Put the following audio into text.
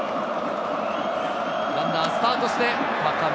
ランナー、スタートして、高め。